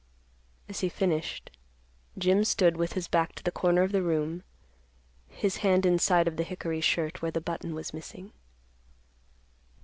As he finished, Jim stood with his back to the corner of the room, his hand inside of the hickory shirt where the button was missing.